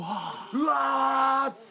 うわ。